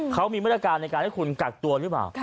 เขามีมาตรการในการให้คุณกักตัวหรือเปล่า